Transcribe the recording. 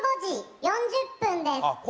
１５時４０分です